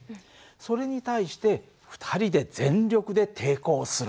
それに対して２人で全力で抵抗する。